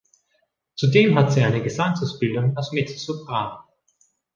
Zudem hat sie eine Gesangsausbildung als Mezzosopran.